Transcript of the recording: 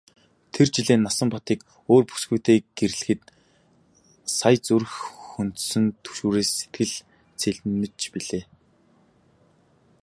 Тэр жилээ Насанбатыг өөр бүсгүйтэй гэрлэхэд л сая зүрх хөндсөн түгшүүрээс сэтгэл цэлмэж билээ.